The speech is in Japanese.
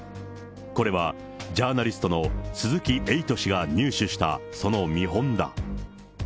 これはジャーナリストの鈴木エイト氏が入手した、その見本だ。